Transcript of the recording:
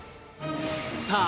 さあ